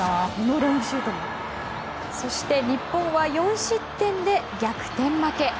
そして日本は４失点で逆転負け。